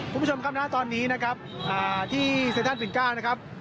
คุณผู้ชมครับณตอนนี้นะครับที่เซลั่นปิ่นก้านะครับ